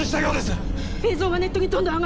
映像がネットにどんどん上がってます。